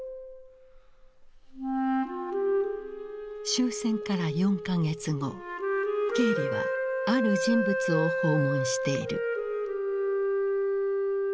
終戦から４か月後ケーリはある人物を訪問している。